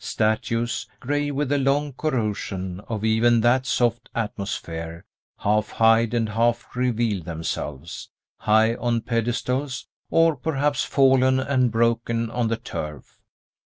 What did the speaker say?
Statues, gray with the long corrosion of even that soft atmosphere, half hide and half reveal themselves, high on pedestals, or perhaps fallen and broken on the turf.